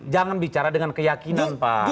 jangan bicara dengan keyakinan pak